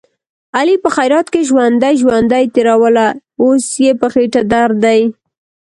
علي په خیرات کې ژوندۍ ژوندۍ تېروله، اوس یې په خېټه درد دی.